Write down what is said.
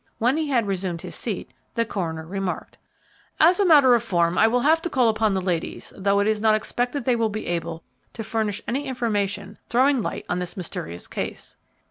When he had resumed his seat the coroner remarked, "As a matter of form, I will have to call upon the ladies, though it is not expected they will be able to furnish any information throwing light on this mysterious case."